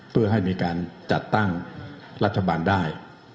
เพื่อให้มีการจัดตั้งรัฐบาลได้